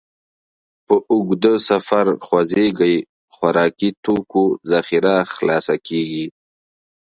په اوږده سفر خوځېږئ، خوراکي توکو ذخیره خلاصه کېږي.